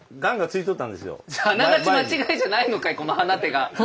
あながち間違いじゃないのかいこの「放て」が。